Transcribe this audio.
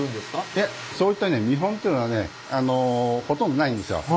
いえそういったね見本っていうのはねほとんどないんですよ。